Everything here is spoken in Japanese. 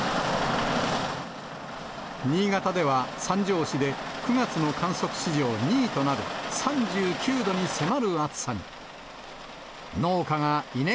新潟では、三条市で９月の観測史上２位となる３９度に迫る暑さに。